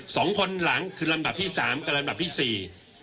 สองคนหลังคือลำบับที่๓กับลำบับที่๔